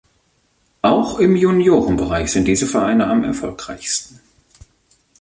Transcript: Auch im Juniorenbereich sind diese Vereine am erfolgreichsten.